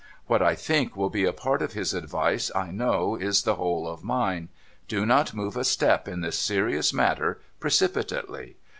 What I think will be a part of his advice, I know is the whole of mine. Do not move a step in this serious matter precipitately.